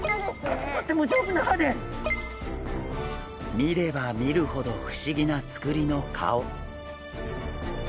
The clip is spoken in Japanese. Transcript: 見れば見るほど不思議なつくりの顔。